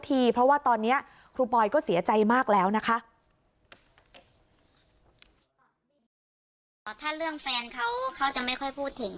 ถ้าเรื่องแฟนเขาเขาจะไม่ค่อยพูดถึง